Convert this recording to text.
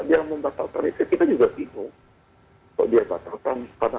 ya jadi kalau dia membatalkan itu kita juga bingung